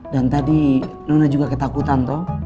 dan tadi nona juga ketakutan toh